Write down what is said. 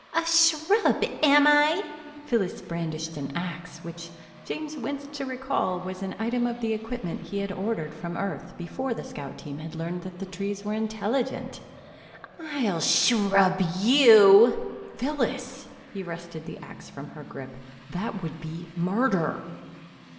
"A shrub, am I!" Phyllis brandished an axe which, James winced to recall, was an item of the equipment he had ordered from Earth before the scout team had learned that the trees were intelligent. "I'll shrub you!" "Phyllis!" He wrested the axe from her grip. "That would be murder!"